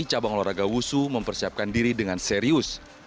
cabang olahraga wusu mempersiapkan diri dengan serius